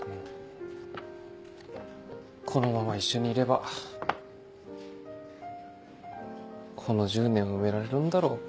このまま一緒にいればこの１０年を埋められるんだろうか？